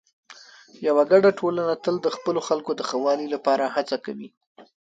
یوه ګډه ټولنه تل د خپلو خلکو د ښه والي لپاره هڅه کوي.